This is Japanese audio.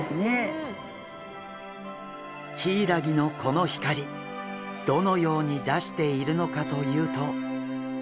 ヒイラギのこの光どのように出しているのかというと。